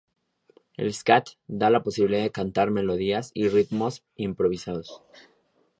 El "scat" da la posibilidad de cantar melodías y ritmos improvisados.